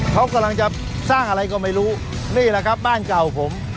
เขากำลังจะสร้างอะไรก็ไม่รู้นี่แหละครับบ้านเก่าผม